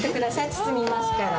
包みますから。